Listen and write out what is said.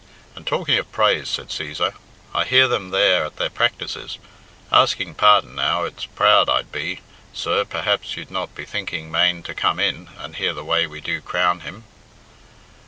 "And talking of praise," said Cæsar, "I hear them there at their practices. Asking pardon now it's proud I'd be, sir perhaps you'd not be thinking mane to come in and hear the way we do 'Crown Him!'"